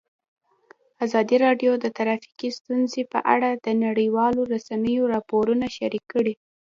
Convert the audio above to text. ازادي راډیو د ټرافیکي ستونزې په اړه د نړیوالو رسنیو راپورونه شریک کړي.